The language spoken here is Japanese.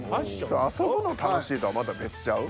遊ぶの楽しいとはまた別ちゃう？